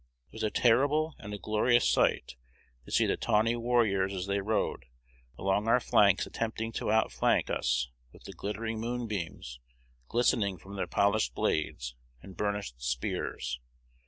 It was a terrible and a glorious sight to see the tawny warriors as they rode along our flanks attempting to outflank us with the glittering moonbeams glistening from their polished blades and burnished spears.